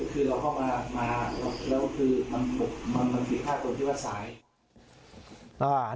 คือเราก็มาแล้วก็คือมันผิดท่าคนที่ว่าสาย